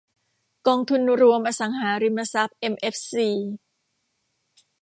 กองทุนรวมอสังหาริมทรัพย์เอ็มเอฟซี